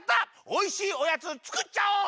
おいしいおやつつくっちゃおう！